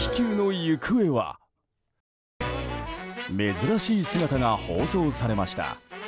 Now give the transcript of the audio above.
珍しい姿が放送されました。